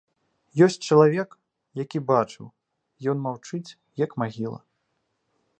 Ёсць чалавек, які бачыў, ён маўчыць як магіла.